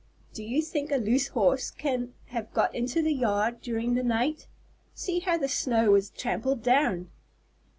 "Do you think a loose horse can have got into the yard during the night? See how the snow is trampled down!"